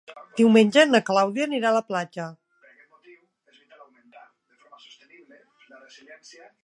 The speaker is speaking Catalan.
Diumenge na Clàudia anirà a la platja.